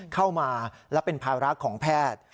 เข้ามาแล้วเป็นพารักษณ์ของแพทย์